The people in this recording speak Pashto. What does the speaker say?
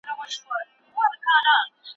ژمن کسان د نورو خلکو په پرتله ډېر د باور وړ دي.